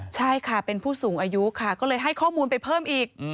ใช่ค่ะเป็นผู้สูงอายุค่ะก็เลยให้ข้อมูลไปเพิ่มอีก